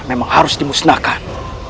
memang harus dimusnahkan